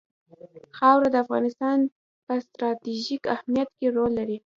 خاوره د افغانستان په ستراتیژیک اهمیت کې رول لري.